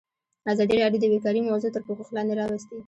ازادي راډیو د بیکاري موضوع تر پوښښ لاندې راوستې.